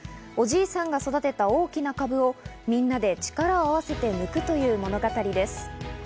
おじいさんが育てた大きなかぶをみんなで力を合わせて抜く物語です。